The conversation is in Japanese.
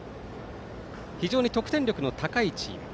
非常に得点力の高いチーム。